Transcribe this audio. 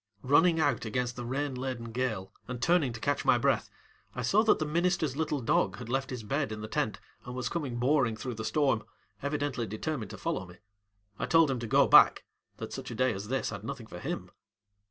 Running out against the rain laden gale and turning to catch my breath, I saw that the ministerŌĆÖs little dog had left his bed in the tent and was coming boring through the storm, evidently determined to follow me. I told him to go back, that such a day as this had nothing for him.